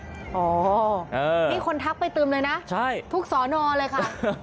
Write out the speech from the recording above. อ๋อมีคนทักไปติดเลยนะใช่ทุกศนเลยค่ะ